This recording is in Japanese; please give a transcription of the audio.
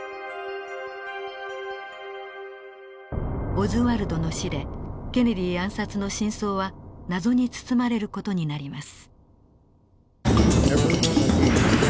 オズワルドの死でケネディ暗殺の真相は謎に包まれる事になります。